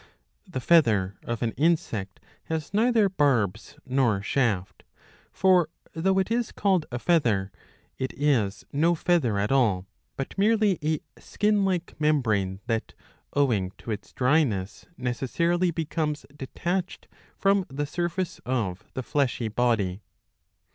The feather of an insect h as neither barbs nor shaft.^ For, though it is called a feather, it is no feather at all, but merely a skin like membrane that, owing to its dryness, necessarily becomes detached from the surface of the fleshy body.